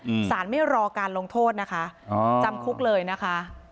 สารไม่รอการลงโทษนะคะอ๋อจำคุกเลยนะคะ